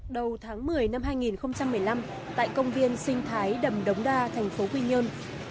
đầu tháng một mươi năm hai nghìn một mươi năm tại công viên sinh thái đầm đống đa thành phố quy nhơn